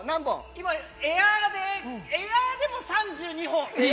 ◆今、エアーでも３２本。